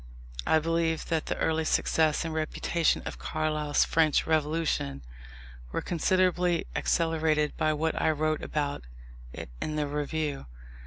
I believe that the early success and reputation of Carlyle's French Revolution, were considerably accelerated by what I wrote about it in the Review.